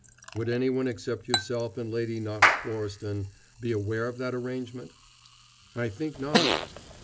"Would anyone except yourself and Lady Knox Florestan be aware of that arrangement?" "I think not."